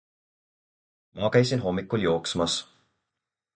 Ma käisin hommikul jooksmas